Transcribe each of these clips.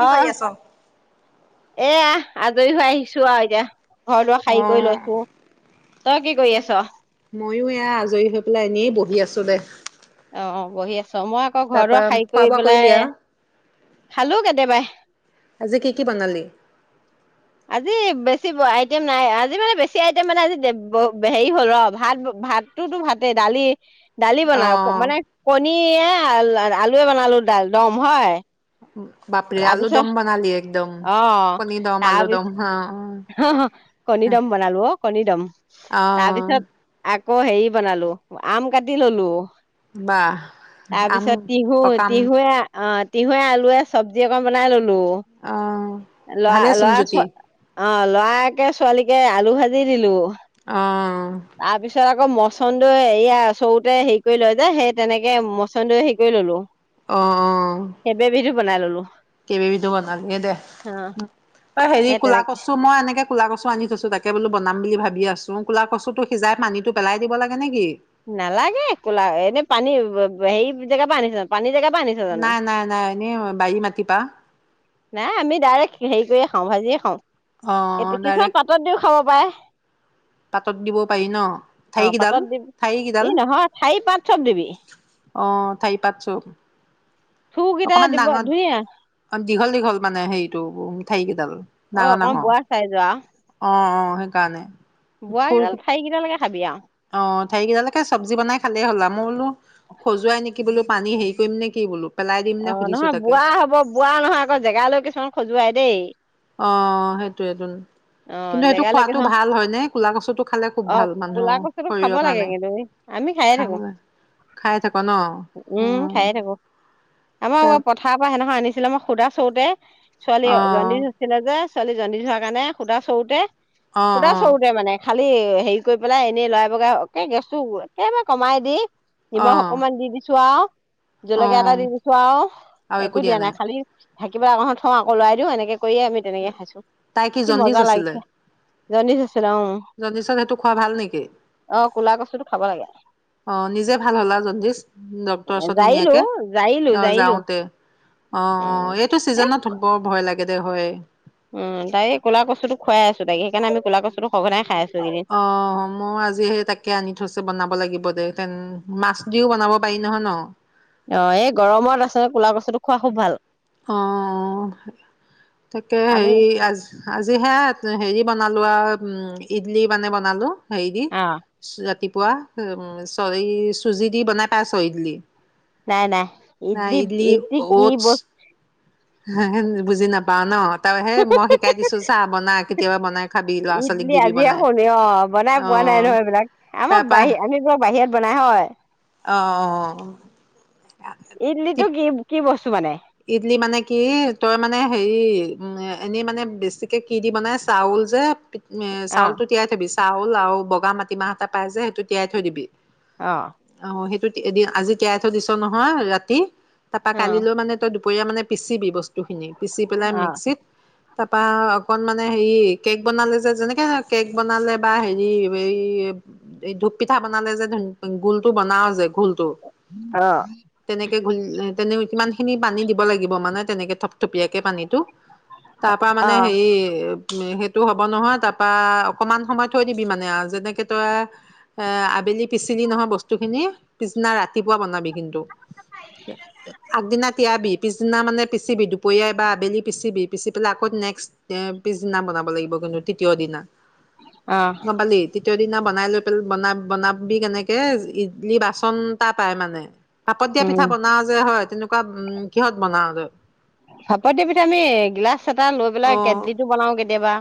অ কি কৰি আছ? এয়া আজৰি হৈ আহিছো আও এতিয়া। ঘৰ দুৱাৰ অ শাৰী কৰি লৈ। তই কি কৰি আছ? ময়ো এয়া আজৰি হৈ পেলাই এনেই বহি আছোঁ দে। অ অ বহিয় আছোঁ। মই আকৌ ঘৰৰ তাৰপা দুৱাৰ সাঁৰী খোৱা কৰি বোৱা কৰিলি পেলাই, আও খালো কেতিয়াবাই। আজি কি কি বনালি? আজি বেছি আইটেম নাই, আজি মানে বেছি আইটেম মানে আজি হেৰি হ'ল ৰ ভাত ভাতোতো ভাতে দালি। দালি অ বনাও মানে আমি এ আলুৱে বনালো দম হয়। বাপাৰে আলু তাৰপিছত দম বনালি। দম, অ কণী দম, আলু দম অ অ হঃ কণী দম বনালো অ, কণী দম অ তাৰপিছত। আকৌ হেৰি বনালো, আম কাটি ললো। বাহ আম তাৰপিছত টিহু পকাম টিহুৱে আহ। তিহুৱে আলুৱে চৱজি অকণ বনাই ললো। অ হেল্ল ভালে 'লৰা, চোন লৰা, জুতি ছোৱালী ল'ৰাকে ছোৱালীকে আলু ভাজি দিলোঁ উম তাৰ পিছত আকৌ মই মচন্দই এয়া আচোৰুতে হেৰি কৰি লয় যে সেই তেনেকে মচন্দয় হেৰি কৰি ললো অঁ অঁ সেইবে বিধো বনাই ললো কেই বিধো বনালি দে অ অঁ হেৰি সেই কলা তেনেকে কচু মই এনেকে কলা কচু আনি থৈছো তাকে বোলো বনাম বুলি ভাবি আছো চু কোলা কচু তো সিজাই পানীটো পেলাই দিব লাগে নেকি নালাগে কোলা এনে পানী হেৰি জেগাৰ পৰা আনিছ পানী জেগা নাই নাই নাই এনে বাৰি মাটি পৰা নাই আমি ডাইৰেক্ট হেৰি কৰিয়ে খাওঁ ভাজিয়ে অ খাওঁ এ কিছুমান ডাইৰেক্ট পাতত দিওঁ খাব পাৰ পাই পাতত দিব পাৰি ন অ ঠাৰি কেইডাল পাতত দিবি ঠাৰি ই কেইডাল নহয় ঠাৰি পাত চব দিবি আহ ঠাৰি পাত চব থুকেইটা অকমান দিব ডাঙৰ ধুঞা অ দীঘল দীঘল মানে হেৰিটো ঠাৰি কেইডাল অঁ ডাঙৰ অকণ বোৱা চাই যোৱা সেই কাৰণে বোৱা কেইডাল ঠাই কেইডাল লাগে কি খাবা আৰু অঁ ঠাৰি কেইডালৈকৈ চব্জি বনাই খালেই হ'লে হ'ল মই বোলো খজুৱাই নেকি বোলো পানী হেৰি কৰিমনে কি বোলো পেলাই দিম নে অঁ সুধিছো নহয় তাকে বুৱা হব বোৱা নহয় আকৌ জেগালৈ কিছুমান খজুৱাই দেই অঁ সেইটোয়েইটো অঁ জেগালৈকে থওঁ, ক'লা কচুটো খালে খুব অঁ ভাল কলা মানুহৰ কচুটো খাব শৰীৰৰ লাগে কাৰণে কিন্তু এই আমি খায়ে। খাব থাকো লাগে খাই থাক ন অ উম খায়ে থাকো। ত আমাৰ পথাৰৰ পৰা সেইদিনা আনিছে ছিলে মই সোধা চৰুতে অ ছোৱালীজনীৰ জনদিচ্ হৈছিলে যে ছোৱালী জনীৰ হোৱাৰ কাৰণে সুধা চৰুতে অ সুদা অ চৰুতে মানে খালি হেৰি কৰি পেলাই এনেই লৰাই বগাই একে গেছোতো একেবাৰে কমাই দি অ নিমখ অকণমান দি দিছো আৰু অ জলকীয়া এটা দি দিছো আৰু একো দিয়া নাই খালি থাকিবলৈ আগখনত থওঁ আকৌ লই দিওঁ এনেকে কৈয়ে আমি তেনেকে খাইছো তাই কি জণ্ডিচ মজা আছিলে লাগিছে ধনি জণ্ডিচত সেইটো খোৱা ভাল নেকি অ ক'লা কচুটো খাব লাগে আহ নিজে ভাল হলা জণ্ডিচ ডক্তৰৰ ওচৰত নি জাৰিলো নিয়াকে জাৰিলো অ জাৰিলো যাওতে অ উম এইটো এ চিজনত বৰ ভয় লাগে তেতিয়া হে ই [unintelligible] উম তাই এই কলা কচুটো খাইছো তাই সেইকাৰণে আমি কলা কছুটো সঘনাই খাই আছো এইকেইদিন অ মই আজি সেই তাকে আনি থৈছে বনাব লাগিব তে মাছ দিও বনাব পাৰি নহয় ন অ এই গৰমত আচল কোলা কচুটো খোৱা খুব ভাল অ তাকে আমি হেৰি আজ আজি হে হেৰি বনালো আৰু ইডলি মানে বনালো হেই দি অ ৰাতি পোৱা উ চ চুজি দি বনাই পাইছে ইদলি নাই নাই ইডলি ইডলী কি অটছ ব বুজি নাপাও ন তই হে মই শিকাই দিছো চা বনা কেতিয়াবা বনাই খাবি ল'ৰা ছোৱালীক ইডলি দিবি আজিয়ে বনাই শুনি অ বনাই অ পোৱা নাই নহয় এইবিলাক আমাৰ তাৰপা বাহি আমি বোলো বাহিৰত বনাই হয় অঁ অঁ ইডলিটো কি কি বস্তু মানে ইডলি মানে কি তই মানে হেৰি এনেই মানে বেছিকে কি দি বনাই চাউল যে অ', চাউলটো তিয়াই থাবি চাউল আৰু বগা মাটিমাহ এটা পাই যে সেইটো তিয়াই থৈ দিবি অ', আহ সেইটো এদিন আজি তিয়াই থৈ দিছ নহয় ৰাতি তাৰাপা অ', কালিলৈও মানে দুপৰীয়া মানে পিচিবি বস্তুখিনি পিচি পেলাই অ', মিক্সিত তাৰপা অকন মানে হেৰি কেক বনালে যে যেনেকে কেক বনালে বা হেৰি এই এই ধূপ পিঠা বনালে যে গোল টো বনাও যে গোলটো অ', তেনেকে ঘ তেনে কিমান খিনি পানী দিব লাগিব মানে তেনেকে থপথপিয়াকে পানীতো তাৰ পৰা মানে হেৰি সেইটো হ'ব নহয় তাৰপৰা অকণমান সময় থৈ দিবি মানে আৰু যেনেকৈ তই আবেলি পিচিলি নহয় বস্তুখিনি পিছিনা ৰাতিপুৱা বনাবি কিন্তু আগদিনা বি পিছদিনা মানে পিচিবি, দুপৰীয়া বা আবেলি পিচিবি, পিচি পেলাই আকৌ নেক্সট এ পিছদিনা বনাব লাগিব কিন্তু তৃতীয় দিনা। অ', গমপালি তেতিয়া দিনা বনাই লৈ পেল বনা-বনাবি কেনেকে ইডলি বাচন এটা পাই মানে ভাপত দিয়া পিঠা উম, বনাও যে হয় তেনেকুৱা উম', কিহত বনাৱগে? ভাপত দিয়া পিঠা আমি গিলাচ এটা লৈ পেলাই, অ কেটলিটো বনাও কেতি দেৱা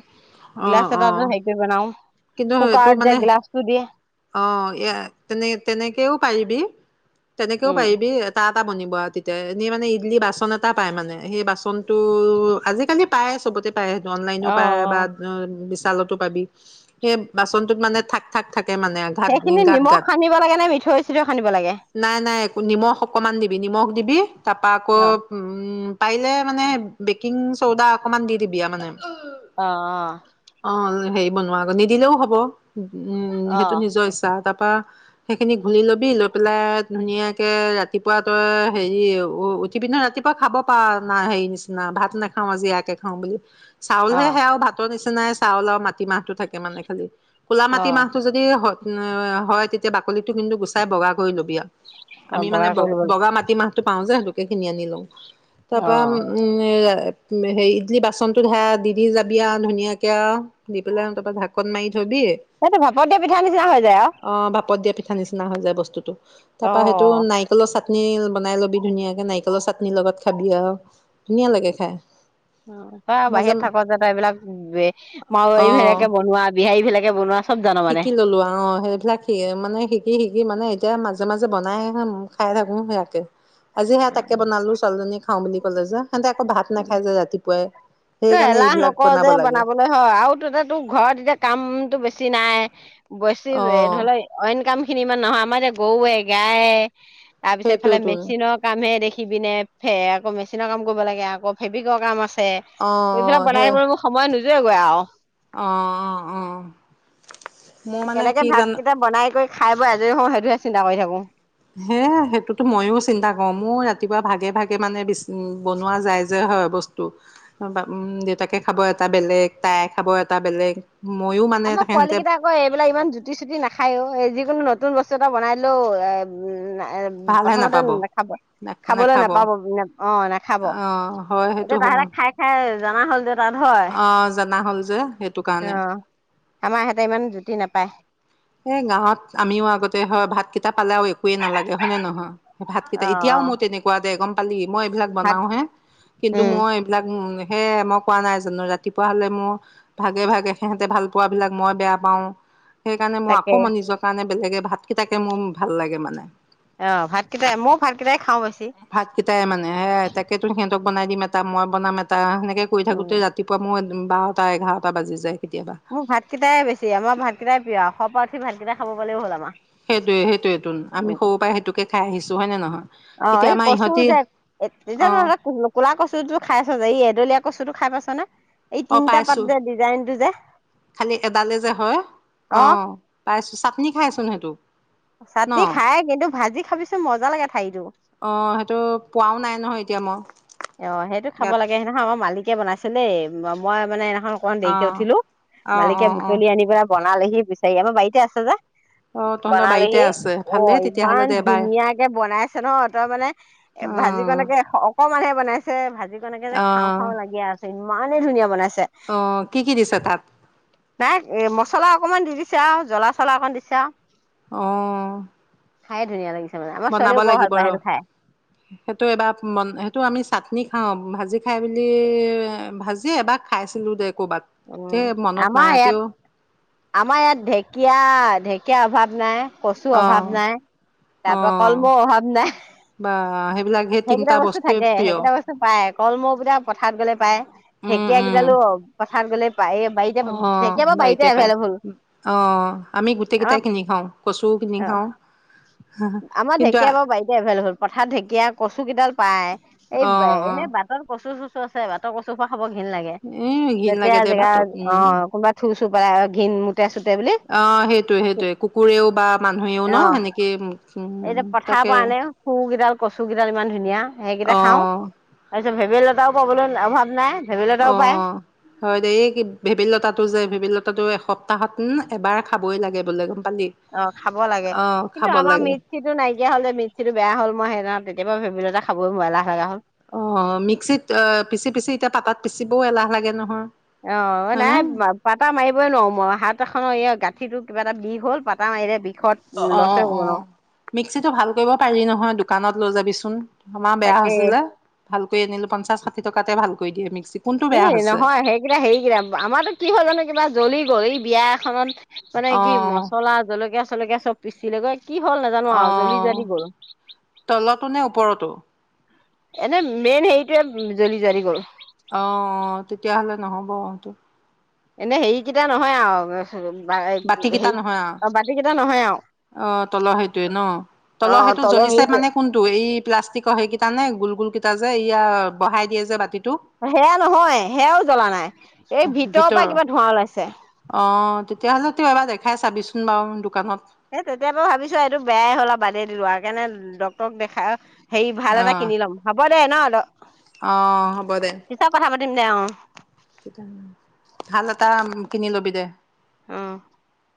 অ গিলাচ অ এটা তে হেৰি কৰি বনাও কুকাৰত যে গিলাচটো দি য়ে অহ', এ তেনে-তেনেকেও পাৰিবি তেনেকেও উম, পাৰিবি এটা। টা বনিব আৰু তেতিয়া এনেই মানে ইডলি বাচন এটা পায় মানে সেই বাচনতটো আজিকালি পায় চবতে পাই অনলাইনো অ পায় অ বা বিছ চালটো পাবি, সেই বাচন টোত মানে থাক, থাক, থাক এ মানে সেইখিনি ঘাট-গাত নিমখ গাত সানিব লাগে নে মিঠৈ চিঠৈ সানিব লাগে? নাই নাই একো নিমখ অকণমান দিবি নিমখ দিবি তাপা আকৌ অ', উম পাৰিলে মানে বেকিং চৌদা অকণমান দি দিবি আও মানে অ', অ', অ হেৰি বনোৱা আকৌ, নিদিলেও হ'ব উম হেত টো অ', নিজৰ ইচ্ছা তাত তা সেইখিনি ঘুলি লবি লৈ পেলাই ধুনীয়াকে ৰাতিপুৱা তই হেৰি, উ উঠিবি নহয় ৰাতিপুৱা খাব পাৰ ন হেৰি নিচিনা ভাত নাখাও আজি এইয়াকে খাওঁ বুলি চাউল হে অ', সেইয়াও ভাতৰ নিচি নাই চাউল আৰু মাটিমাহটো থাকে মানে খালি। ক'লা মাটি অ', মাহ টো যে হ হয় হয় তেতিয়া বাকলিতো কিন্তু গুচাই বগা কৰি ল'বি আ অ', আমি মানে বগা কৰি ল'ব লাগে ব-বগা মাটি মাহতটো পাও যে সেইটো সেখিনি আনি লওঁ তাৰ পৰা উম অ', এ উ হেৰি ইটলি বাচন টো ধা দি-দি যাবি আও ধুনীয়াকে আও, দি পেলাই তা পা ঢাকন মাৰি থবি সেইটো ভাপৰ দিয়া নি নিচিনা হৈ যায় অ পাপতিয়া পিঠা নিচিনা হৈ যায় বস্তুটো তাৰ পৰা সেইটো অ', নাৰিকলৰ ছ চাটনি বনাই ল'বি ধুনীয়াকে নাৰিকলৰ চাটনিৰ লগত খাবি আৰু ধুনীয়া লাগে খাই তই মাজে বাহিৰত থাক যে ত এইবিলাক মাওী অ ফালকে বনোৱা বিহাৰী ফিলকে বনোৱা চব জাব শিকি ললো অ সেইবিলাক শ মানে শিকি শিক সি মানে এতিয়া মাজে মাজে বনাই খাই থাকো সেয়াকে আজি সেয়া তাকে বনালো ছোৱালজনী খাওঁ বুলি কলজা তই সেইকাৰণে এলাহ এইবিলাক নকৰ বনাব যে লাগে বনাবলৈ হয় আৰু ততে তোৰ ঘৰত এতিয়া কামতটো বেছি নাই বেছি অ ধৰি ললে অইন কাম স খিনি ইমান নহয় আমাৰ যেতি গৰুৱে গায়ে তাৰ পিছ এইফালে সেইটোৱেতোন মেচিনৰ কাম হেখি উঠি পিনে ফে আকৌ মেচিনৰ কাম কৰিব লাগে আকৌ অ ভেবিকৰ কাম আছে অ এইবিলাক সেই বনাই মোৰ সময় নো গৈ আঅ অ অ অ মোৰ মানে কেনেকে কীৰ্তন ভাতকেইটা বনাই কৰি খাই বৈ আজৰি হওঁ সেইটোহে চিন্তা কৰি থাকো হে সেইটোতো ময়ো চিন্তা কৰো মোৰ ৰাতিপুৱা ভাগে ভাগে মানে বি বনোৱা যায় যে হয় বস্তু উ দেউতাকে খাব এটা বেলেগ তাই খাব এটা বেলেগ ময়ো মানে আমাৰ পোৱালী সিহঁতে কেইটা আকৌ এইবিলাক ইমান জুতি চুতি নাখায়ও এই যিকোনো নতু নতুন বস্তু এটা বনাই দিলেও এ উম এ ভালহে প্ৰথমতে নাপাব নাখাব নাখ খাবলৈ নাখাব নাপাব অ নাখাব আহ এতিয়া তাহলে খাই খাই জানা হ'ল তাত হয়। আহ জাননা হ'ল যে সেইটো কাৰণে অ' আমাৰ হঁতে ইমান জুতি নাপায় এ গাঁৱত আমিও আগতে হয় ভাত কেইটা পালেও একোৱে নালাগে হয়নে নহয় ভাতকেইটা এতিয়াও মই তেনেকুৱা দে একদম হান্দি মই এইবিলাক ভাত বনাও হে কিন্তু উম, মই এইবিলাক উ সে মই কোৱা নাই জানো ৰাতিপুৱা হ'লে মোৰ ভাগে ভাগে সিহঁতে ভাল পোৱ বিলাক মই বেয়া পাওঁ সেই কাৰণে মই তাকে আকৌ মই নিজৰ কাৰণে বেলেগে ভাত কেইটাকে মোৰ ভাল লাগে মানে অ ভাতকেইটাই মোৰ ভাতকেইটাই খাওঁ বেছি। ভাত কেইটাই মানে হে তাকেতো সিহঁত বনাই দিম এটা মই বনাম এটা সেনে কে কৰি থাকোতে উম। ৰাতিপুৱা মই- ম বাৰটা এঘাৰটা বাজি যায় কেতিয়াবা মোৰ ভাত কেইটাই বেছি আমাৰ ভাতকেইটাই প্ৰিয় [unintelligible] ভাল কেইটা খাব পালেও হ'ল আমা সেইটোয়ে সেইটোয়েতোন আমি সৰু পৰা সেইটোকে খাই আহিছো হয় নে নহয় অ এতিয়া এই আমাৰ কচু ইহঁতি যে তেতিয়া অঁ নহলে কলা কচু টো খাইছ যে এই এদলীয়া কচু টো খাই পাইছ নে এই অ তিনিটা পাত পাইছো যে ডিজাইনটো যে খালি এডালে যে হয় অ পাইছো নি খায়চোন সেইটোক চাটনি খায় কিন্তু ভাজি খ ভাবিছো মজা লাগে ঠাৰিটো। অ সেইটো পোৱাও নাই নহয় এতিয়া মই অ সেইটো খাব ইয়াত লাগে সে নহয় আমাৰ মালিক বনাইছিলেই মই মানে এ অকমান দেৰিকে অঁ উঠিলো অঁ মালিকে অঁ অঁ বুটলি আনি পেলা বনা মালহি বিচাৰি আমাৰ বাৰীতে আছে যে অঁ তহঁতৰ বাৰীতে বনালেহি আছে অ ভালেই ইমান তেতিয়াহ'লে দে বাই ধুনীয়াকে বনাইছে ন তই মানে অঁ ভাজিকনেকে অকল মানে বনাইছে ভাজি কেনেকে যে খাওঁ খাওঁ লাগে আছে ইমানে ধুনীয়া বনাইছে অ কি কি দিছে তাত নাই এ মছলা অকণমান দি দিছে আৰু জ্বলা চলা অকণমান দিছে আৰু অহ খাই ধুনীয়া লাগিছে মানে আমাৰ বনাব ছোৱালীও বৰ ভাল লাগিব পায় ৰ সেইটো খাই সেইটো এবাৰ মন সেইটো আমি চাটনি। খাওঁ ভাজি খাই বুলি ভাজি এবাৰ খাইছিলোঁ দে। ক'ৰবাত উম দে মনত আমাৰ ইয়াত নাইতিও। আমাৰ ইয়াত ঢেকীয়া ঢেকীয়া অভাৱ নাই। কচু অঁ অভাৱ নাই তাৰ পৰা কলমৌ অভাৱ নাই। অহ। সেইকেইটা বস্তু থাকে সেইকেইটা বস্তু পাই। কলমৌ কেইটা পথাৰত গ'লে পায়। ঢেকীয়া কেইডালো। পথাৰত গ'লে। পায় এই বাৰীতে অ ঢেকীয়া বাৰু বাৰীতে পায় এভেইলেবল অ আমি গোটেই আমাৰ কেইটাই কিনি খাওঁ কচুও কিনি খাওঁ। আমাৰ কিন্তু ঢেঁকীয়া বাৰু বাৰীতে এভেইলেবল পথাৰ ঢেকীয়া কচু কেইডাল পায়। এই অঁ অঁ এনে বাটত কচু চচু। আছে বাটৰ কচু। খাৱৰ ঘৃণ লাগে এ ঘিণ যেতিয়া লাগে দে জেগা বাটত অ কোনোবা থ। ঘৃণ। অ সেইটোয়ে সেইটোয়ে কুকুৰেও বা মানুহেও ন অ সেনেকেই। এতিয়া পথাৰ তাকে পৰা আনে শুৰ কেইডাল কচু কেইডাল ইমান ধুনীয়া সেইকেইটা খাওঁ। অঁ ভেবেলী লতাও পাবলৈ অভাৱ নাই। ভেবেলী লতাও অ পায় হয় দেই কি ভেবেলী লতাটো যে। তো এসপ্তাহত এবাৰ খাবই লাগে বোলে। পালি। অ খাব লাগে অ', কিন্তু খাব আমাৰ লাগে। মিক্সীটো নাইকিয়া হৈ যায় মিক্সীটো বেয়া হল। মই সেইদিনা তেতিয়াপে ভেবেলী লতা। খাবই নোৱাৰ লা হয়ে হ'ল। অ মিক্সিত অ পিচি পিচি এতিয়া পাতাত পিচিবও এলাহ লাগে নহয়। অ হয়নে? নাই পাতা মাৰিবই নোৱাৰো মই হাত এখন এই গাত। কিনো কিবা এটা বিষ হল পাতা মাৰিৰে বিষ। অ অ অ মিক্সিটো ভাল কৰিব পাৰি নহয় দোকানত লৈ যাবিচোন। ন [unintelligible] আমাৰ বেয়া তাকে হৈছিলে ভালকৈ আনিলো পঞ্চাশ টকা। টকাতে ভাল কৰি দিয়ে মিক্সিত। এ নহয় সেইকেইটা হেৰিকেইটা আমাৰো কি হল জানো কিবা জ্বলি গ'ল এই। বিয়া এখনত। মানে কি অ', মচলা জলকীয়া। জলকীয়া চব পিচিলেগৈ। অহ তলৰতো নে ওপৰতো এনে মেইন হেৰিটোয়ে জ্বলি জাৰি গল। অ', অ তেতিয়াহ'লে নহ'ব অতো এনে হেৰিকেইটা নহয় আও বাতি কেইটা নহয় কেইটা নহয় আৰু অ- তলৰ সেইটোৱে ন অ তলৰ সেইটো জ্বলিছে মানে হেৰিটোৱে কোনটো এই- প্লাষ্টিকৰ সেইকেইটা নে? গোল গোল কেইটা যে, এইয়া বহাই দিয়ে যে বাতিত। সেয়া নহয় সেয়াও জ্বলা নাই। এই ভিতৰৰ পৰা কিবা ধোঁৱা ওলাইছে। তেও এবাৰ দেখাই চাবিচোন বাও দোকানত। সেই তেতিয়া মই ভাবিছো এইটো বেয়াই হ'ল আও বাদেই দিলো আও সেইকাৰণে ডক্তৰক দেখাই আও হেৰি ভাল অ এটা কিনি ল'ম হ'ব- প্লেই ন অল [unintelligible] অ- হ'ব দে। উম দে অ ভাল এটা কিনি লবি দে। অ-